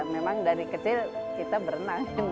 memang dari kecil kita berenang